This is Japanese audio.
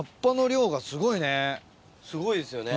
すごいですよね。